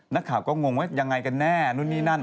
นักข่าวก็งงว่ายังไงกันแน่นู่นนี่นั่น